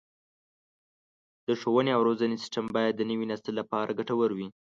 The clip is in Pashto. د ښوونې او روزنې سیستم باید د نوي نسل لپاره ګټور وي.